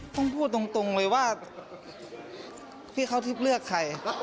ต้องพูดตรงเลยว่าพี่เขาทิพย์เลือกใคร